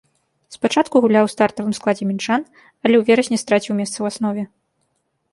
Спачатку гуляў у стартавым складзе мінчан, але ў верасні страціў месца ў аснове.